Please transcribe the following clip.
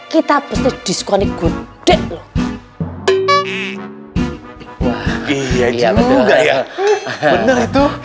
kamu menunggu di luar